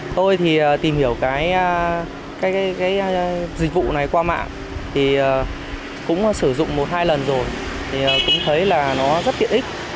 tôi thì tìm hiểu cái dịch vụ này qua mạng thì cũng sử dụng một hai lần rồi thì cũng thấy là nó rất tiện ích